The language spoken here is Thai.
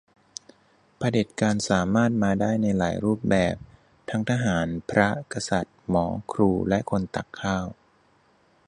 เผด็จการสามารถมาได้ในหลายรูปแบบ ทั้งทหาร พระ กษัตริย์ หมอ ครู และคนตักข้าว